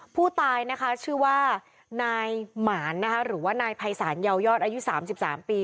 ผู้ตายนะคะชื่อว่านายหมานนะคะหรือว่านายภัยศาลเยาวยอดอายุ๓๓ปี